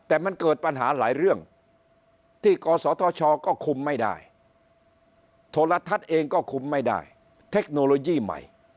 แต่มันเกิดปัญหาหลายเรื่องที่กศธชก็คุมไม่ได้โทรทัศน์เองก็คุมไม่ได้เทคโนโลยีใหม่